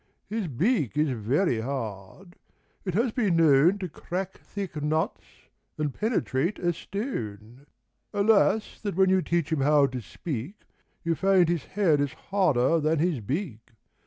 His beak is very hard : it has been known To crack thick nuts and penetrate a stone. Alas that when you teach him how to speak You find his head is harder than his beak.